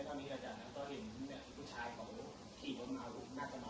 แต่หนูยังไม่เห็นต่อมาเพราะว่าไม่สามารถกลับมากว่าอะไร